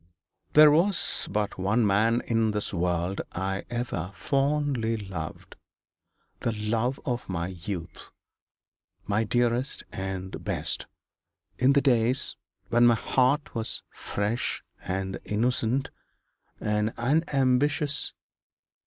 'There was but one man in this world I ever fondly loved the love of my youth my dearest and best, in the days when my heart was fresh and innocent and unambitious.